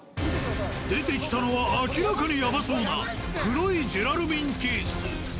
出てきたのは明らかにヤバそうな黒いジュラルミンケース。